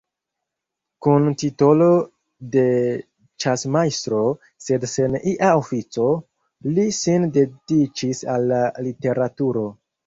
Kun titolo de ĉasmajstro, sed sen ia ofico, li sin dediĉis al la literaturo.